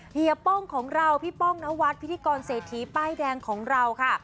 เฮียป้องของเราพี่ป้องนวัดพิธีกรเศรษฐีป้ายแดงของเราค่ะ